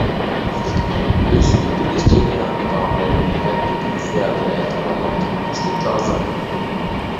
ئۆسۈپ يېتىلىش جەريانىدا بالىنى ھەددىدىن زىيادە ئەتىۋارلاپ كەتمەسلىك لازىم.